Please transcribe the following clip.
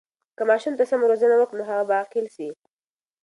که ماشوم ته سمه روزنه وکړو، نو هغه به عاقل سي.